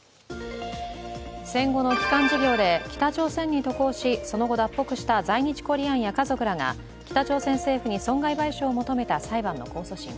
戦後の帰還事業で北朝鮮に渡航しその後、脱北した在日コリアンや家族らが北朝鮮政府に損害賠償を求めた裁判の控訴審。